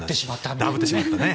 だぶってしまったりね。